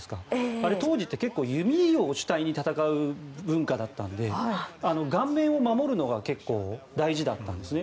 あれ、当時って弓を主体に戦う文化だったので顔面を守るのが大事だったんですね。